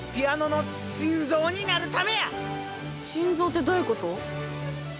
心臓ってどういうこと？